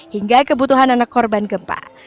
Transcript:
hingga kebutuhan anak korban gempa